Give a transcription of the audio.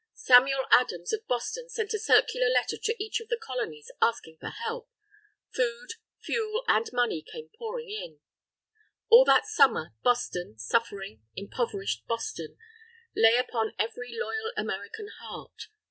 Samuel Adams of Boston sent a circular letter to each of the Colonies asking for help. Food, fuel, and money came pouring in. All that Summer, Boston, suffering, impoverished Boston, lay upon every loyal American heart.